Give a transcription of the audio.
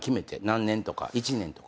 何年とか１年とか。